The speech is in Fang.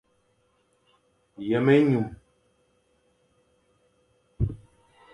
Yem-enyum.